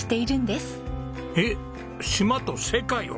えっ島と世界を？